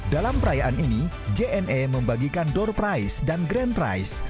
dalam perayaan ini jna membagikan door price dan grand price